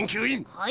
はい？